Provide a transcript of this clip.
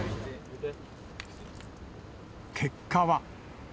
結果は。